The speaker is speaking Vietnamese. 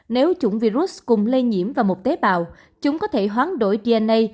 nếu chủng virus cùng lây nhiễm vào một tế bào chúng có thể hoán đổi gna